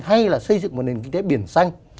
hay là xây dựng một nền kinh tế biển xanh